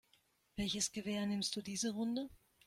Welches Gewehr nimmst du diese Runde?